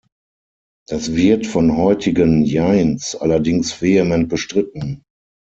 Das wird von heutigen Jains allerdings vehement bestritten.